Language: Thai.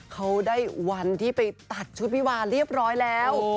เขาได้วันที่ไปตัดชุดวิวาเรียบร้อยแล้ว